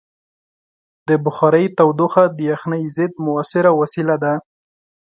د بخارۍ تودوخه د یخنۍ ضد مؤثره وسیله ده.